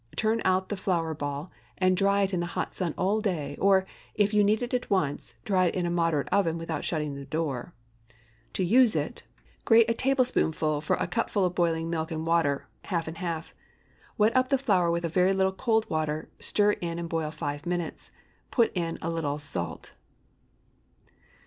Turn out the flour ball and dry in the hot sun all day; or, if you need it at once, dry in a moderate oven without shutting the door. To use it— Grate a tablespoonful for a cupful of boiling milk and water (half and half). Wet up the flour with a very little cold water, stir in and boil five minutes. Put in a little salt.